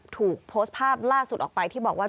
ถูกโพสต์ภาพล่าสุดออกไปที่บอกว่า